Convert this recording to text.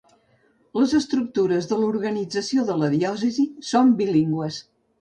Les estructures de l'organització de la diòcesi són bilingües.